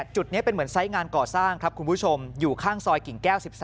จุดนี้เป็นเหมือนไซส์งานก่อสร้างครับคุณผู้ชมอยู่ข้างซอยกิ่งแก้ว๑๓